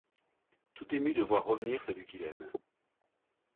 Tout ému de voir revenir celui qu'il aime